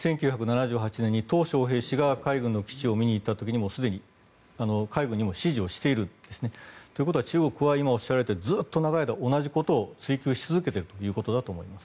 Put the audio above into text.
１９７８年にトウ・ショウヘイ氏が海軍の基地を見に行った時にすでに海軍にも指示をしているんですね。ということは中国は今、おっしゃられたようにずっと長いこと同じことを追求し続けていると。